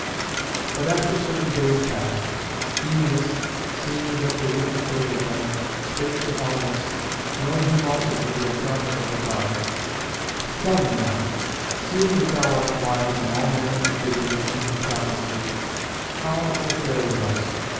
But after certain days were passed, Æneas, seeing that the wind favoured them, spake to Helenus, knowing him also to be a prophet of the Gods: "Tell me now, seeing that thou art wise in all manner of divination and prophecy, how it will fare with us.